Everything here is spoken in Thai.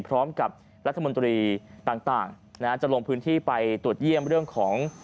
พร้อมกับรัฐมนตรีต่างจะลงพื้นที่ไปตรวจเยี่ยมเรื่องของ